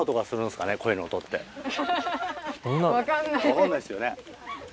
分かんないですよね。